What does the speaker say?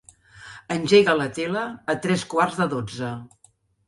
Engega la tele a tres quarts de dotze.